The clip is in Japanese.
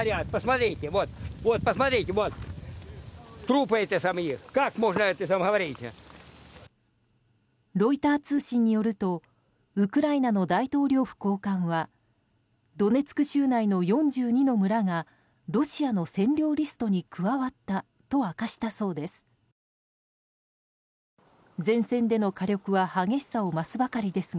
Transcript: ロイター通信によるとウクライナの大統領府高官はドネツク州内の４２の村がロシアの占領リストに加わったと明かしたそうです。